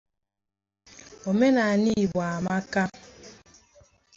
ji chọpụta ka o siri nwụọ